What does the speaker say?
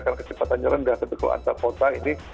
karena kecepatan rendah untuk antar kota ini